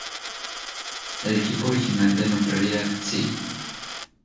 El equipo original de Neutralidad Si!